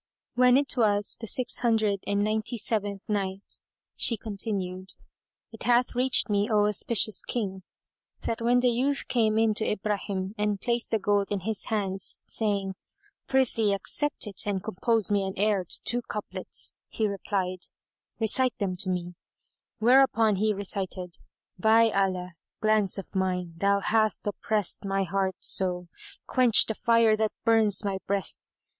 When it was the Six Hundred and Ninety seventh Night, She continued, It hath reached me, O auspicious King, that when the youth came in to Ibrahim and placed the gold in his hands, saying, "Prithee accept it and compose me an air to two couplets," he replied, "Recite them to me," whereupon he recited:— By Allah, glance of mine! thou hast opprest * My heart, so quench the fire that burns my breast.